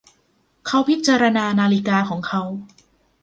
เขาพิจารณานาฬิกาของเขา